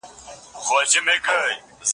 ادبي څېړني د ادب په اړه پوهه ده.